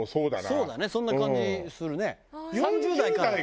そうだねそんな感じするね。